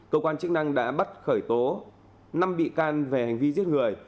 cơ quan chức năng đã bắt khởi tố năm bị can về hành vi giết người